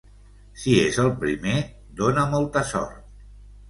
Si és el primer, dóna molta sort.